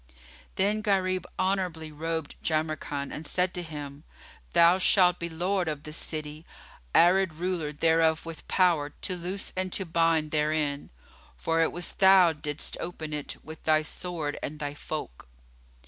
Then Gharib honourably robed Jamrkan and said to him, "Thou shalt be lord of this city and ruler thereof with power to loose and to bind therein, for it was thou didst open it with thy sword and thy folk."